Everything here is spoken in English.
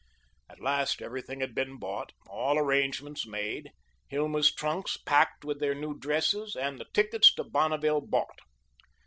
At last everything had been bought, all arrangements made, Hilma's trunks packed with her new dresses, and the tickets to Bonneville bought.